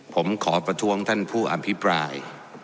ผมขอประท้วงท่านผู้อภิปราย